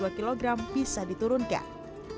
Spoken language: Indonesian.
arya pun kemudian menjalani operasi pengecilan lambung